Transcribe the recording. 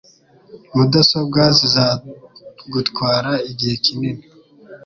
Mudasobwa zizagutwara igihe kinini.